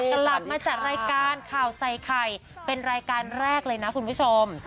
กลับมาจัดรายการข่าวใส่ไข่เป็นรายการแรกเลยนะคุณผู้ชม